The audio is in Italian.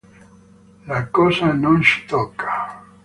La cosa non ci tocca.